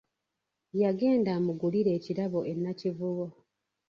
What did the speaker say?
Yagenda amugulire ekirabo e Nakivubo.